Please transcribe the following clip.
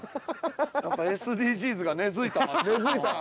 やっぱＳＤＧｓが根付いた街。